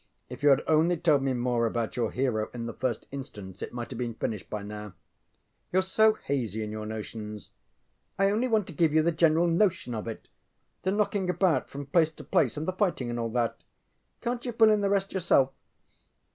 If you had only told me more about your hero in the first instance it might have been finished by now. YouŌĆÖre so hazy in your notions. ŌĆØ ŌĆ£I only want to give you the general notion of it the knocking about from place to place and the fighting and all that. CanŌĆÖt you fill in the rest yourself?